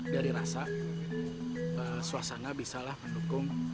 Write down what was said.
dari rasa suasana bisa lah mendukung